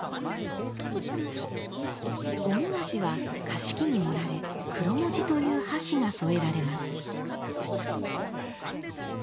主菓子は菓子器に盛られ黒文字という箸が添えられます。